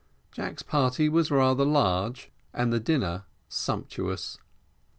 Jack's party was rather large, and the dinner sumptuous.